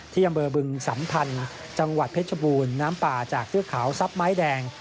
ที่อำเภอบึงสัมพันธ์จังหวัดเพชรบูรณ์น้ำป่าจากเทือกเขาทรัพย์ไม้แดง